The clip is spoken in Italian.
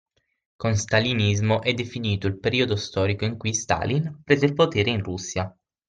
Con stalinismo è definito il periodo storico in cui Stalin prese il potere in Russia.